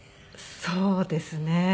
そうですね。